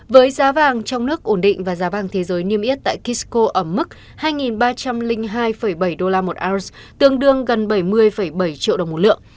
với giá vàng trong nước ổn định và giá vàng thế giới niêm yết tại kisco ở mức hai ba trăm linh hai bảy đô la một ounce tương đương gần bảy mươi bảy triệu đồng một lượng